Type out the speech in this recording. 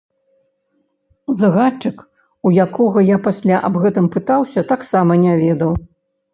Загадчык, у якога я пасля аб гэтым пытаўся, таксама не ведаў.